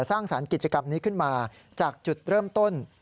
สร้างสรรค์กิจกรรมนี้ขึ้นมาจากจุดเริ่มต้น